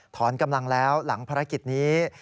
กำลังแล้วหลังภารกิจนี้